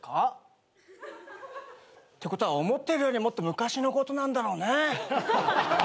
ってことは思ってるよりはもっと昔のことなんだろうね。